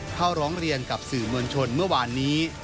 เข้าร้องเรียนกับสื่อมวลชนเมื่อวานนี้